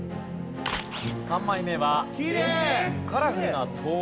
３枚目は。